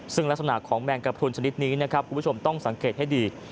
ซึ่งลักษณะของแมงกระพรุนชนิดนี้นะครับคุณผู้ชมต้องสังเกตให้ดี